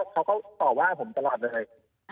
เขาก็ต่อว่าผมตลอดเลย